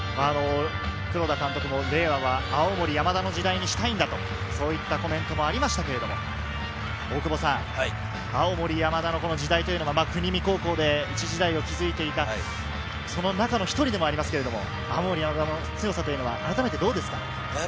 黒田監督も、令和は青森山田の時代にしたいんだと、そういったコメントもありましたが、青森山田の時代というのは国見高校でいち時代を築いていた、その中の１人でもありますが、青森山田の強さはあらためてどうですか？